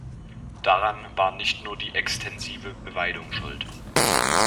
Daran war nicht nur die extensive Beweidung schuld.